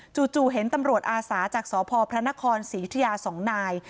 จู่เห็นตำรวจอาสาจากสพพระนครศรียุธยา๒นาย